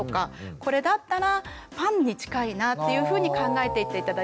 これだったらパンに近いなっていうふうに考えていって頂いて。